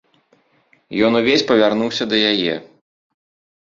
Ён увесь павярнуўся да яе.